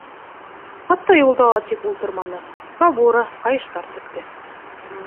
Хатта юлда ла тик ултырманы — кобура, ҡайыштар текте.